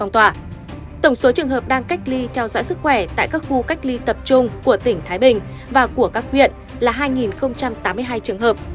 tổng số trường hợp đang cách ly theo dõi sức khỏe tại các khu cách ly tập trung của tỉnh thái bình và của các huyện là hai tám mươi hai trường hợp